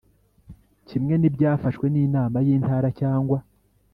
kimwe n ibyafashwe n Inama y Intara cyangwa